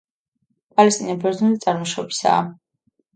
პალესტინა ბერძნული წარმოშობისაა.